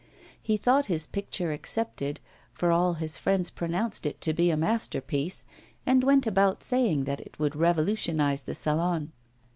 He thought his picture accepted, for all his friends pronounced it to be a masterpiece, and went about saying that it would revolutionise the Salon.